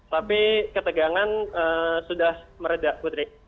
tapi ketegangan sudah meredak putri